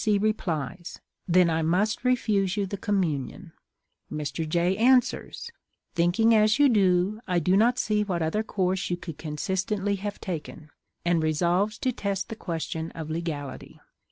C. replies, "Then I must refuse you the Communion." Mr. J. answers, "Thinking as you do, I do not see what other course you could con . sistently have taken;" and resolves to test the question of legality.